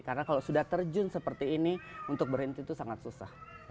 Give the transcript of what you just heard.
karena kalau sudah terjun seperti ini untuk berhenti itu sangat susah